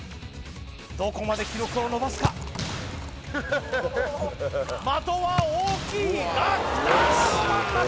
どこまで記録を伸ばすか的は大きいがきたど真ん中！